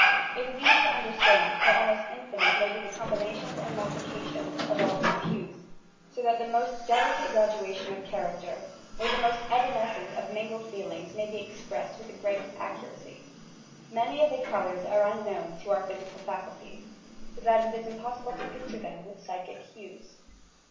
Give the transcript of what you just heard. "It is easy to understand how almost infinite may be the combiuatious and modifications of all these hues, BO that the most delicate gradation of character, or the most evanescent of mingled feelings may be expressed with the greatest accuracy. Many of the colours are unknown to our physical faculties, so that it is impos sible to picture them with psychic hues."